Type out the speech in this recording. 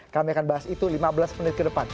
kami akan bahas itu lima belas menit ke depan